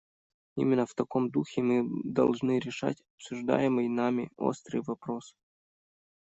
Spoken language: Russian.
Именно в таком духе мы должны решать обсуждаемый нами острый вопрос.